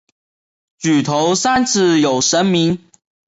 举头三尺有神明。